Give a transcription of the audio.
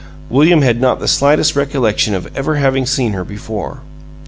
William had not the slightest recollection of ever having seen her before.